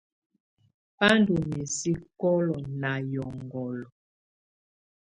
Bá ndɔ́ misí kulǝ́ na ƴɔŋhɔlɔ.